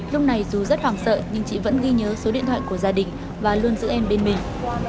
lúc này dù rất hoảng sợ nhưng chị vẫn ghi nhớ số điện thoại của gia đình và luôn giữ em bên mình